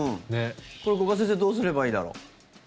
これ、五箇先生どうすればいいだろう？